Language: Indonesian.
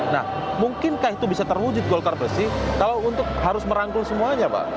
nah mungkinkah itu bisa terwujud golkar bersih kalau untuk harus merangkul semuanya pak